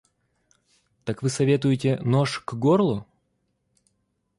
Так вы советуете нож к горлу?